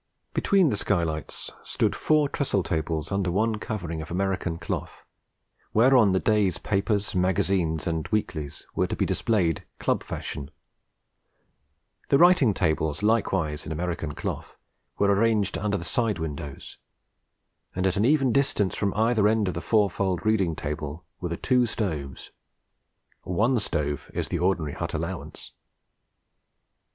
Between the skylights stood four trestle tables under one covering of American cloth, whereon the day's papers, magazines and weeklies, were to be displayed club fashion; the writing tables, likewise in American cloth, were arranged under the side windows; and at an even distance from either end of the fourfold reading table were the two stoves. One stove is the ordinary hut allowance.